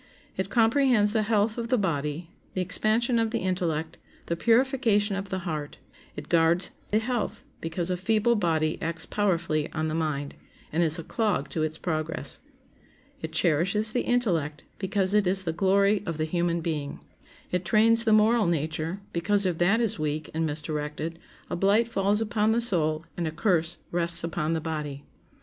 It comprehends the health of the body, the expansion of the intellect, the purification of the heart. It guards the health, because a feeble body acts powerfully on the mind, and is a clog to its progress. It cherishes the intellect, because it is the glory of the human being. It trains the moral nature, because if that is weak and misdirected a blight falls upon the soul and a curse rests upon the body.